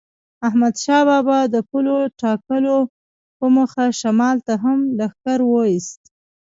احمدشاه بابا د پولو ټاکلو په موخه شمال ته هم لښکر وایست.